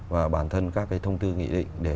và bản thân các cái thông tư nghị định để